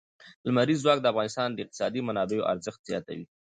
لمریز ځواک د افغانستان د اقتصادي منابعو ارزښت زیاتوي.